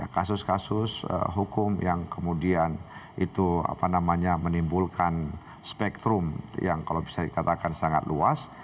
kasus kasus hukum yang kemudian itu apa namanya menimbulkan spektrum yang kalau bisa dikatakan sangat luas